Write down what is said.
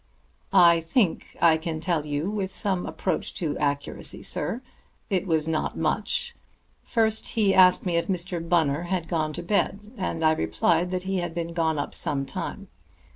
"I think I can tell you with some approach to accuracy, sir. It was not much. First he asked me if Mr. Bunner had gone to bed, and I replied that he had been gone up some time.